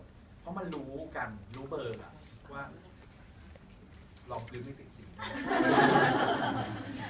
เพราะมันรู้กันรู้เบอร์ว่าลองลืมให้เปลี่ยนสิ